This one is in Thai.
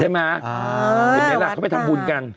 ใช่ไหม